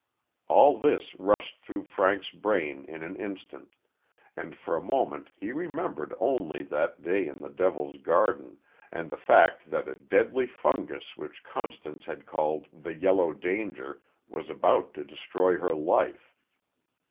All this rushed through Frank's brain in an instant, and for a moment he remembered only that day in the Devil's Garden, and the fact that a deadly fungus which Constance had called the Yellow Danger was about to destroy her life.